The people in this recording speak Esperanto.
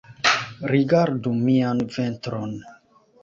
Rigardu mian ventron